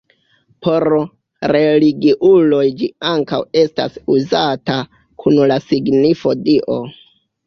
Por religiuloj ĝi ankaŭ estas uzata kun la signifo Dio.